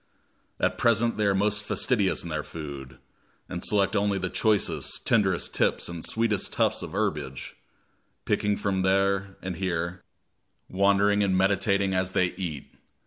At present they are most fastidious in their food, and select only the choicest, tenderest tips and sweetest tufts of herbage, picking them here and there, wandering and meditating as they eat.